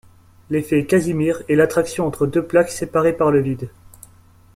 L'effet Casimir est l'attraction entre deux plaques séparées par le vide.